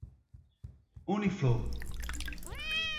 Uniflor